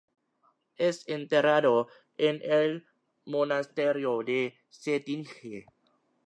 Es enterrado en el monasterio de Cetinje.